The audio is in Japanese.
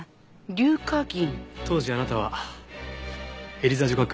当時あなたはエリザ女学院の２年生。